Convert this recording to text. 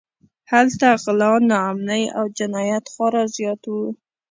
هلته غلا، ناامنۍ او جنایت خورا زیات و.